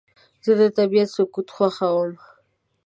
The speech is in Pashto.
زه د طبیعت سکوت خوښوم.